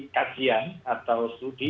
kajian atau studi